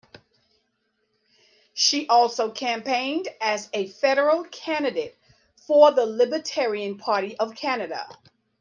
She also campaigned as a federal candidate for the Libertarian Party of Canada.